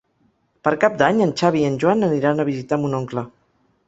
Per Cap d'Any en Xavi i en Joan aniran a visitar mon oncle.